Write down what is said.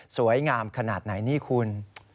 สวยงามขนาดไหนนี่คุณ